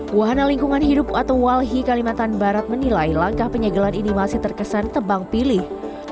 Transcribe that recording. wahana lingkungan hidup atau walhi kalimantan barat menilai langkah penyegelan ini masih terkesan tebang pilih